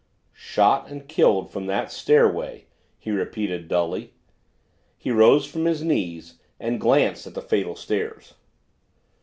"Shot and killed from that stairway," he repeated dully. He rose from his knees and glanced at the fatal stairs.